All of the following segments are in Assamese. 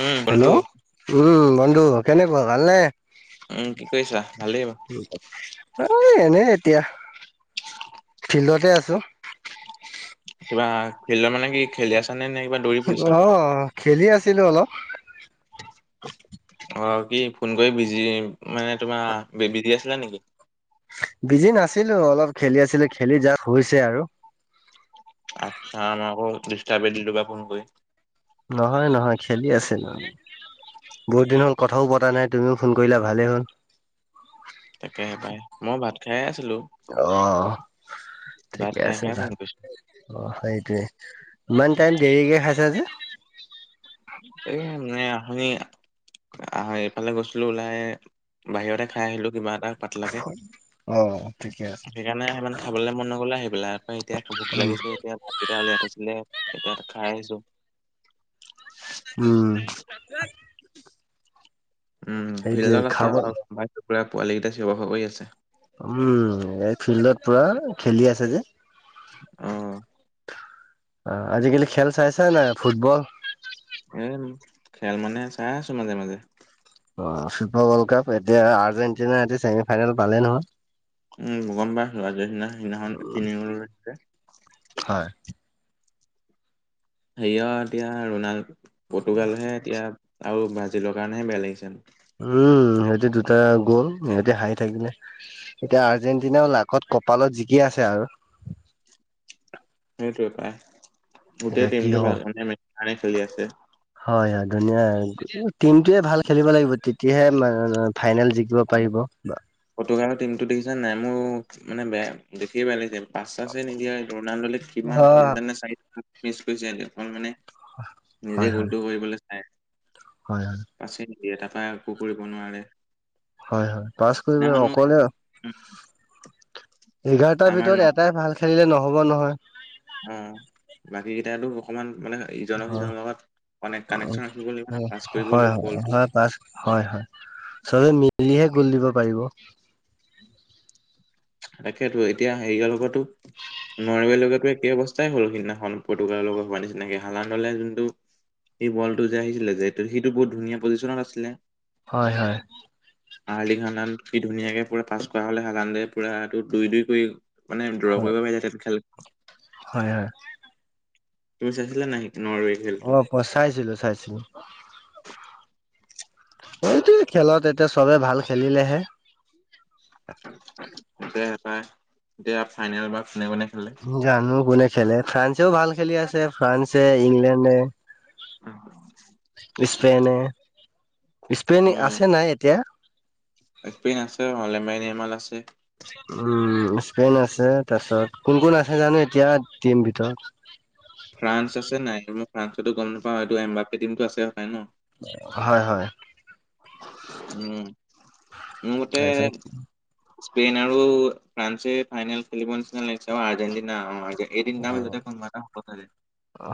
উম হেল্ল' বন্ধু। উম বন্ধু কেনেকুৱা ভালনে? উম কি কৈছা? ভালেই বা। অই এনেই এতিয়া ফিল্ডতে আছো। কিবা ফিল্ডত মানে কি খেলি আছ মানে নে কিবা দ অ, খেলি আছিলো অলপ। অ কি ফোন কৰি বিজি মানে তোমাৰ বি বিজি আছিলে নেকি? বিজি নাছিলো, অলপ খেলি আছিলো খেলি যাক হৈছে আৰু। আচ্ছা, আমাক ডিষ্টাৰবে দিলোঁ বা ফোন কৰি। নহয় নহয়, খেলি আছে ন। বহুত দিন হ'ল কথাও পতা নাই, তুমিও ফোন কৰিলা ভালেই হ'ল। তাকেহে পাই, মই ভাত খাই আছিলো, অ ভাত ঠিকে খাই আছে খাই ভাল শুনি কৈছো। অ সেইটোৱে, ইমান টাইম দেৰিকে খাইছা যে? এহ নে আমি আহ এইফালে গৈছিলো ওলাই, বাহিৰতে খাই আহিলো কিবা এটা। পাতলাকে অ। অ ঠিকে আ সেইকাৰণে সিমান খাবলৈ মন নগলে আহি পেলাই আকৌ এতিয়া ভোক উম লাগিছে এতিয়া। এতিয়া লেট হৈছিলে এতিয়া খাই আহিছো। উম। উম সেইটোৱে ফিল্ডত আছা খাব আৰু গাই পোৱালি কেইটা চিয়ৰ - বাখৰ কৰি আছে। উম, এই ফিল্ডত পুৰা খেলি আছে যে। অ আ, আজিকালি খেল চাইছা নাই ফুটবল? এ, খেল মানে চাই আছো মাজে - মাজে। অ ফিফা ৱৰ্ল্ড কাপ এতিয়া আৰ্জেণ্টিনা এ ছেমি ফাইনেল পালে নহয়? উম, গম পা লোৱা যিদিনা সিদিনাখন তিনি লিছে [inaudible] হয়। হেৰিয় এতিয়া ৰুণাল পৰ্টুগালহে এতিয়া আৰু ব্ৰাজিলৰ কাৰণেহে বেয়া লাগিছে। উম, সিহঁতে দুটা গ'ল, সিহঁতে হাৰি থাকিলে। এতিয়া আৰ্জেণ্টিনাও লাকত কপালত জিকি আছে আৰু। সেইটোৱে পাই, গোটেই এতিয়া কি টিমটো ভাল হ'ব। মানে ভালে খেলি আছে। হয় হয়, ধুনীয়া এ টিমটোৱে ভাল খেলিব লাগিব তেতিয়াহে মা ফাইনেল জিকিব পাৰিব বা পৰ্তুগালৰ টিমটো দেখিছা নাই মোৰ মানে বেয়া দেখিয়ে বেয়া লাগিছিল। পাঁচ আছে নিদিয়া ৰনাল্ডলে কিমান হয়, তিনিটা নে চাৰি মিচ কৰিছে এনেখন মানে নিজে হয়, হয়, গুলটো কৰিবলৈ চাই। হয় হয়। পাছে [unintelligible] একো কৰিব নোৱাৰে। হয়, হয়, পাছ কৰিব সিদিনাখনো অকলে এঘাৰটাৰ আমাৰ ন ভিতৰত এটাই ভাল খেলিলে নহ'ব নহয়। উম, বাকী কেইটাতো অকমান মানে হয়, ইজনৰ-সিজনৰ লগত মানে কানেকশচন ৰাখিব লাগিব না, হয়, পাছ কৰিব হয় লাগিব বলটো। হয় পাছ হয়, হয়, চবেই মিলিহে গুল দিব পাৰিব। তাকেতো এতিয়া হেৰিৱ লগতো নোৱাৰেল লগাতো একেই অৱস্থাই হ'ল, সিদিনাখন পতুৰ্গাল লগত হোৱা নিচিনাকে হালানলে যোনটো সেই বলটো যে আহিছিলে যে সেইটো বহুত ধুনীয়া পজিশ্যনত আছিলে। হয়, হয়। হাৰ্লিক হানান সি ধুনীয়াকে পুৰা পাছ কৰা হ'লে হালান্দু পুৰা দুই-দুই কৰি মানে ড্ৰ হয়, কৰিব পাৰি [unintelligible] খেল হয়, হয়। তুমি চাইছিলানে নাই নৰৱে? খেলটো অ', [unintelligible] চাইছিলো চাইছিলো। এইটোয়ে খেলত এতিয়া চবে ভাল খেলিলেহে। [unintelligible] এতিয়া ফাইনেল বা কোনে-কোনে খেলে? জানো কোনে খেলে? ফ্ৰান্সেও ভাল খেলি আছে, ফ্ৰান্সে, ইংলেণ্ডে স্পেইনে, স্পেইন আছে নাই এতিয়া! স্পেইন আছে। [unintelligible] আছে। উম, স্পেইন আছে, তাৰপিছত কোন-কোন আছে জানো এতিয়া টিম ভিতৰত। ফ্ৰান্স আছে নাই! মই ফ্ৰান্সতো গম নাপাওঁ, এইটো এম্বমটো আছে হয় নাই ন! হয়, হয়। উম, মোৰ মতে তাৰপিছত স্পেইন আৰু ফ্ৰান্সে ফাইনেল খেলিব নিচিনা লাগিছে আৰু আৰ্জেন্টিনা আগে এই তিনটা অ', মাজতে কোনবা এটা হ'ব [unintelligible]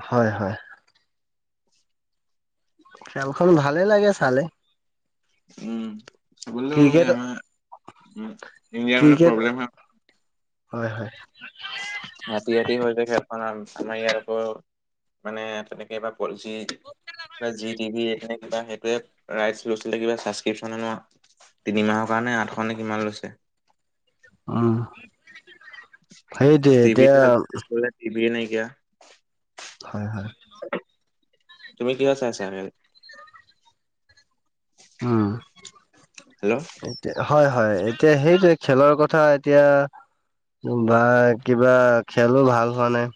হয়, হয়। খেলখন ভালেই লাগে চালে। উম, চাবলৈও ক্ৰিকেট হেয়া উম, ইণ্ডিয়াৰ মানে ক্ৰিকেট প্ৰব্লেম হয়। হয়, হয়। ৰাতি- ৰাতি হৈ থাকে আপোনাৰ, আমাৰ ইয়াত আকৌ মানে তেনেকে বা কলচি বা জি টিভি হেইটোৱে ৰাইটচ লৈছিলে কিবা চাস্কিপচন তিনিমাহৰ কাৰণে আঠশ নে কিমান লৈছে। উম, সেইটোৱেই টিভিটো এতিয়া আজিকালি [unintelligible] হয়, হয়। তুমি কিহত চাইছা খেল? উম। হেল্ল' হয়, হয়, হেইটোৱেই খেলৰ কথা এতিয়া বা পুৰা খেলো ভাল হোৱা নাই।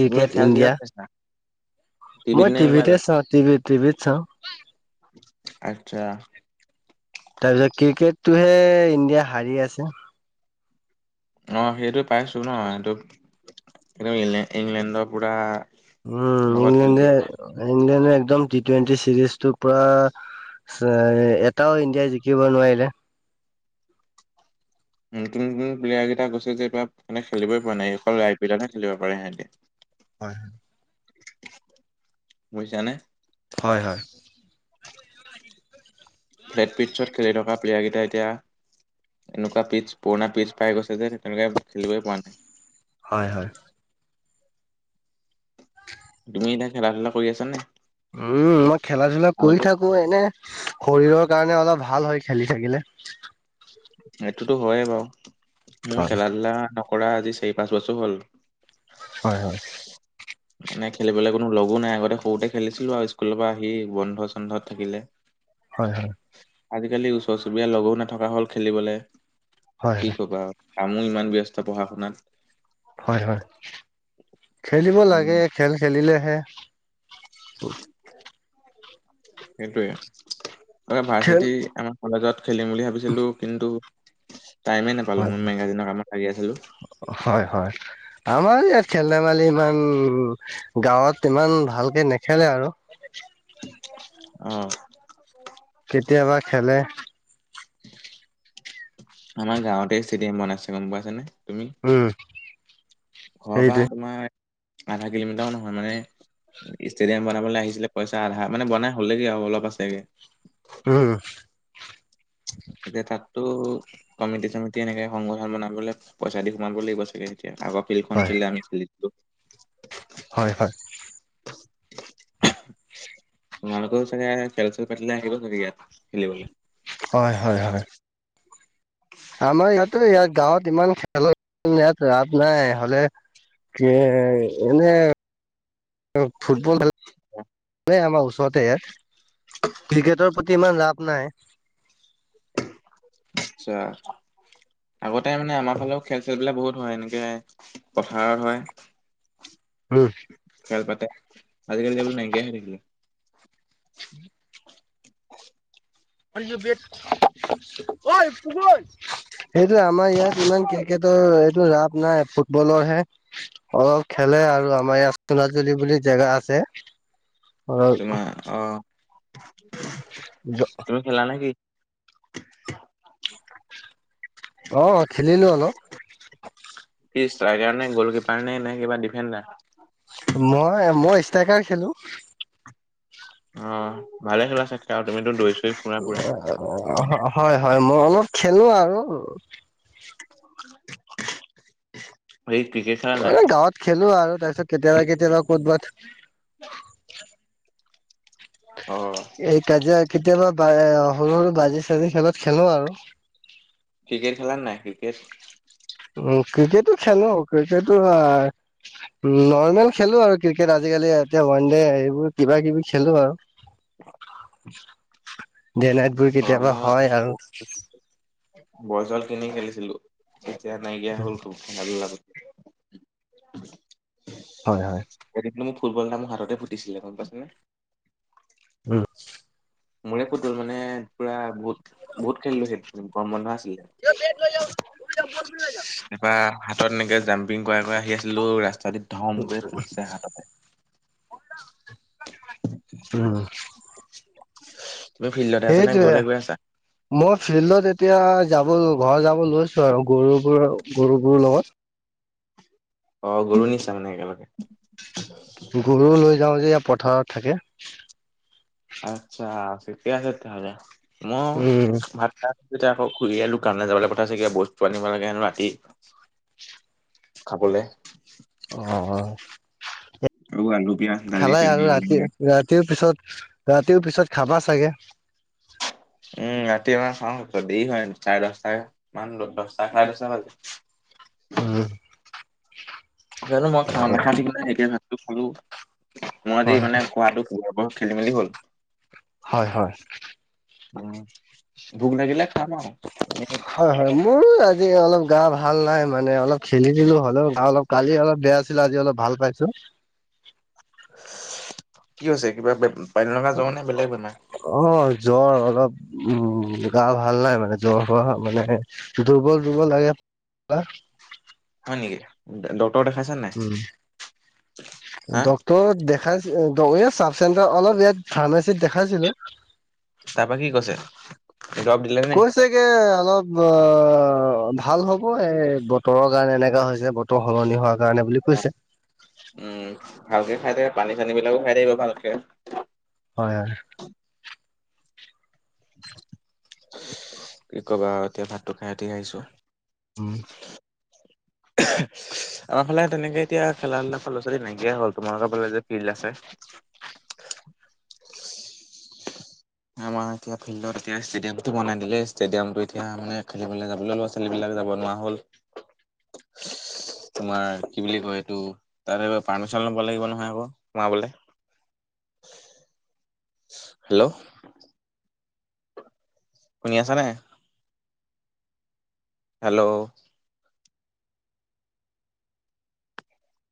তুমি খেল কিহত ইণ্ডিয়া চাইছা? টিভিত মই নে টিভিতে মোবাইলত? চাওঁ, টিভি-টিভিত চাওঁ। আৰ্টচা! তাৰপিছত ক্ৰিকেটটোহে ইণ্ডিয়া হাৰি আছে। অ', সেইটো পাইছোঁ ন, এইটো এইটো ইং ইংলেণ্ডৰ পৰা উম লগত ইংলেণ্ডে খেলিবই নাই। ইংলেণ্ডে একদম টি টুৱেণ্টি চিৰিজটো পুৰা এটাও ইণ্ডিয়াই জিকিব নোৱাৰিলে। নতুন নতুন প্লেয়াৰ কেইটা কৈছে যে এই বা মানে খেলই পৰা নাই অকল আই পি এল হে খেলিব পাৰে সিহঁতি। [inaudible] হয়। বুজিছা নে? হয় হয়। ফ্লেট পিটছত খেলি থকা প্লেয়াৰকেইটাই এতিয়া এনেকুৱা পিচ, পুৰণা পিচ পাই গৈছে যে, তেনেকুৱা খেলিবই পৰা নাই। হয় হয়। তুমি এতিয়া খেলা ধূলা কৰি আছানে? উম, মই খেলা ধুলা কৰি থা কো। এনে শৰীৰৰ কাৰণে অলপ ভাল হয়, খেলি থাকিলে। সেইটোতো হয়েই বাৰু, মোৰ হয় খেলা ধূলা নকৰা আজি চাৰি পাঁচ বছৰ হ'ল। হয় হয়। মানে খেলিবলৈ কোনো লগো নাই, আগতে সৰুতে খেলিছিলো আৰু স্কুলৰ পৰা আহি বন্ধ চন্ধত থাকিলে। হয় হয়। আজিকালি ওচৰ চুবুৰীয়া লগো নথকা হল খেলিবলে হয় কি হয় কবা আৰু। আমিও ইমান ব্যস্ত পঢ়া শুনাত। হয় হয়, খেলিব উম লাগে, খেল খেলিলেহে। সেইটোৱেই, মানে খেল ভাৰ্চিটি আমাৰ কলেজত খেলিম বুলি ভাবিছিলো, কিন্তু টাইমেই নাপালো, হয় মই মেগাজিনৰ কামত লাগি আছিলো। হয় হয়। আমাৰ ইয়াত খেল ধেমালি ইমান, গাঁৱত ইমান ভালকে নেখেলে আৰু। অহ। কেতিয়াবা খেলে। আমাৰ গাঁৱতেই ষ্টেডিয়াম বনাইছে, গম পাইছা নে তুমি? উম ঘৰৰ পৰা সেইটোৱে তোমাৰ আধা কিলোমিটাৰো নহয় মানে ষ্টেডিয়াম বনাবলৈ আহিছিলে পইচা আধা, মানে বনাই হ'লেগেই আৰু অলপ আছেগে। উম। তেতিয়া তাততো, কমিটি চমিটি এনেকে সংগঠন বনাবলৈ পইচা দি সোমাব লাগিব চাগে। এতিয়া আগৰ ফিল্ডখন হয়। আছিলে আমি খেলিছিলো। হয় হয়। [inaudible] তোমালোকেও চাগে খেল চেল পাতিলে, আহিব চাগে ইয়াত খেলিবলৈ? হয়, হয়, হয়। আমাৰ ইয়াতো, ইয়াত গাঁৱত ইমান খেলৰ ইয়াত ৰাপ নাই, হ'লে যে এনে ফুটবল খেলে এই আমাৰ ওচৰতে ইয়াত, ক্ৰিকেটৰ প্ৰতি ইমান ৰাপ নাই। আচ্ছা। আগতে মানে আমাৰ ফালেও খেল চেলবিলাক বহুত হয়, এনেকৈ পথাৰত হয়। উম। খেল পাতে, আজিকালি এইবোৰ নাইকিয়াই হৈ থাকিলে। [inaudible] [inaudible] সেইটোয়েই, আমাৰ ইয়াত ইমান ক্ৰিকেটৰ এইটো ৰাপ নাই, ফুটবলৰ হে। অলপ খেলে আৰু আমাৰ ইয়াত চোণাজুলি বুলি জেগা আছে। তোমাৰ অহ। [unintelligible] জ তুমি খেলা নেকি? অ', খেলিলো অলপ। কি ষ্ট্ৰাইকাৰ নে, গলকিপাৰ নে, নে কিবা ডিফেণ্ডাৰ। মই, মই ষ্ট্ৰাইকাৰ খেলো। অ', ভালে খেলা চাগে তুমিতো দৌৰিছো হয় হয় মই অলপ খেলো আৰু। [unintelligible] ভেতই ক্ৰিকেচা এনেই গাঁৱত খেলো আৰু তাৰপিছত কেতিয়াবা কেতিয়াবা ক'তবাত। অ' এই কাজিয়া কেতিয়াবা সৰু সৰু বাজি চাজি খেলত খেলো আৰু। ক্ৰিকেট খেলাৰ নাই ক্ৰিকেট? উম, ক্ৰিকেটো খেলো ক্ৰিকেটো আই নৰ্মেল খেলো আৰু ক্ৰিকেট আজিকালি এতিয়া ওৱান দে এইবোৰ কিবা কিবি খেলো আৰু। [unintelligible] ডেনাইট বোৰ কেতিয়াবা হয় আৰু। বল চল কিনি খেলিছিলো এতিয়া নাইকিয়া হল তো। [inaudible] হয় হয়। এদিন কিন্তু ফুটবল এটা মোৰ হাততে ফুটিছিলে, গম পাইছেনে? উম,। মোৰে ফুটবল মানে পুৰা বহুত বহুত খেলি লৈছিল গৰম বন্ধ আছিলে। এবা হাতত এনেকে জাম্পিং কৰাই কৰই আহি আছে। ছিলো ৰাস্তাতে ধম কৈ ফুটিছে হাততে। উম তুমি ফিল্ডতে আছা নে সেইটোৱে ঘৰলে গৈ আছা? মই ফিল্ডত এতিয়া যাব ঘৰ যাব লৈছো আৰু গৰুবোৰৰ গৰুবোৰ লগত। অ', গৰু নিচা মানে একেলগে। গৰু লৈ যাওঁ যে ইয়াৰ পথাৰত থাকে। আচ্ছা ঠিকে আছে তেতিয়াহলে উম। মই ভাত তাৰপিছতে আকৌ খুৰীয়ে দোকান লৈ যাবলৈ পথাছেগে বস্তু আনিব লাগেসেনো ৰাতি। খাবলে। অ', অ', আৰু আলু পিয়াজ দালি খালে চেনি আৰু এইবিলাক ৰাতি নে। ৰাতিৰ পিছত ৰাতিও পিছত খাবা চাগে। উম, ৰাতিএবাৰ খাওঁ ক দেৰি হয় চাৰে দহটা মান দহটা চাৰে দহটা বাজে। উম,। জানো মই খাওঁ নাখাওঁ থিক নাই এতিয়া ভাততো খালো মই আজি হয় মানে খোৱাটো আজি অকন খেলিমেলি হ'ল। হয় হয়। উম, ভোক লাগিলে খাম আৰু। হয় হয় মোৰ আজি অলপ গা ভাল নাই মানে অলপ খেলি দিলো হ'লেও গা অলপ কালি অলপ বেয়া আছিলে, আজি অলপ ভাল পাইছো। কি হৈছে? কিবা বে, পানী লগা জোৱা নে, বেলেগ বেমাৰ? অ, জ্বৰ অলপ উম, গা ভাল নাই মানে, জ্বৰ হোৱা মানে দুৰ্বল- দুৰ্বল লাগে, কিবা হয় নেকি, ডক্টৰ দেখাইছ উম। নাই, হা? ত, দেখাইচ, চাৰ্ফ চেণ্টাৰ অলপ ইয়াত ফাৰ্মাচিতত দেখাইছিলো। তাৰপা কি কৈছে, দৰপ দিলে নে? সতকে অলপ ভাল হ'ব, এই বতৰৰ কাৰণে এনেকুৱা হৈছে বতৰ সলনি হোৱা কাৰণে বুলি কৈছে। উম, ভালকে খাই পানী-চানী বিলাকো খাই থাকিব ভালকে। হয়, হয়। কি কবা, এতিয়া ভাতটো খাই উঠি আহিছোঁ। উম। [inaudible] আমাৰ ফালে তেনেকে এতিয়া খেলা, ধূলা ল'ৰা -ছোৱালী নাইকিয়াই হ'ল, তোমালোকৰ ফালে যে ফিল্ড আছে। আমাৰ এতিয়া ফিল্ডত এতিয়া, ষ্টেডিয়াম টো বনাই দিলে ষ্টেডিয়াম টো এতিয়া মান খেলিবলৈ যাবলৈ ল ছোৱালী, বিলাক যাব নোৱাৰা হ'ল। তোমাৰ কি বুলি কয়, এইটো তা, পাৰ্মিশন ল'ব লাগিব নহয় আকৌ সোমাবলে। হেল্ল, শুনি, আছেনে? হেল্ল,